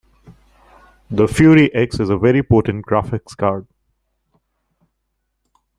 The Fury X is a very potent graphics card.